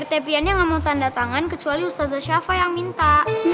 rt pian yang mau tanda tangan kecuali ustazah syafa yang minta